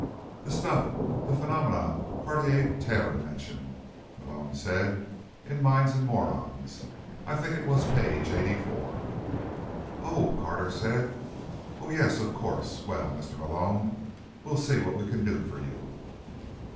"The stuff—the phenomenon Cartier Taylor mentioned," Malone said, "in Minds and Morons. I think it was page eighty four." "Oh," Carter said. "Oh, yes. Of course. Well, Mr. Malone, we'll see what we can do for you."